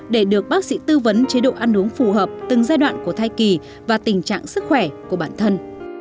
để được bác sĩ tư vấn chế độ ăn uống phù hợp từng giai đoạn của thai kỳ và tình trạng sức khỏe của bản thân